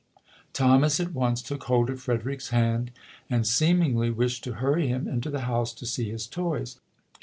Thomas at once took hold of Frederick's hand and seemingly wished to hurry him into the house to see his toys.